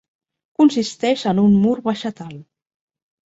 Consisteix en un mur vegetal.